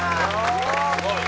すごい。